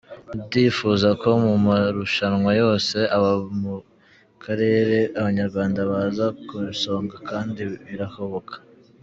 Ndifuza ko mu marushanwa yose aba mu karere, Abanyarwanda baza ku isonga kandi birahoboka.